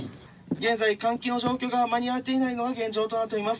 現在、換気の状況が間に合っていないのが現状となっております。